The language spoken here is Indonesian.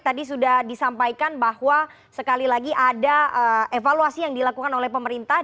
tadi sudah disampaikan bahwa sekali lagi ada evaluasi yang dilakukan oleh pemerintah